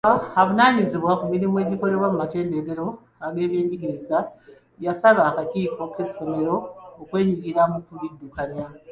Avunaanyizibwa ku mirimu egikolebwa mu matendekero g'ebyenjigiriza yasaba akakiiko k'essomero okwenyigira mu kuliddukanya.